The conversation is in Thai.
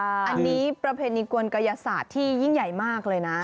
อันนี้ประเพณีกวนกายศาสตร์ที่ยิ่งใหญ่มากเลยนะ